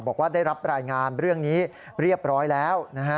บอกว่าได้รับรายงานเรื่องนี้เรียบร้อยแล้วนะฮะ